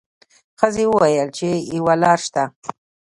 ښځې وویل چې یوه لار شته.